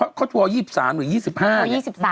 เขาโทร๒๓หรือ๒๕เนี่ย๒๓